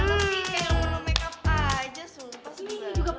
kalo gue yang jepitin mau gak